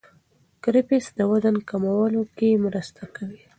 کرفس د وزن کمولو کې مرسته کوي.